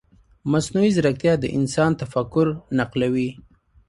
مصنوعي ځیرکتیا د انسان تفکر نقلوي.